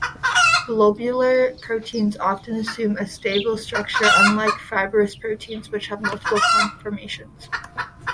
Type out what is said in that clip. Globular proteins often assume a stable structure, unlike fibrous proteins, which have multiple conformations.